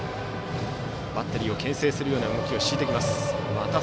バッテリーをけん制するような動きを敷いてきます。